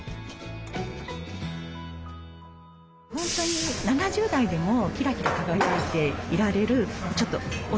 本当に７０代でもキラキラ輝いていられるちょっとお手本というか。